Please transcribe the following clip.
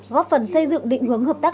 góp phần xây dựng định hướng hợp tác